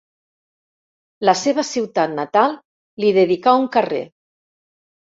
La seva ciutat natal li dedicà un carrer.